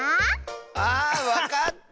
あわかった！